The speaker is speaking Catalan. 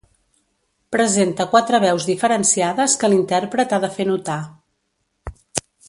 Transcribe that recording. Presenta quatre veus diferenciades que l'intèrpret ha de fer notar.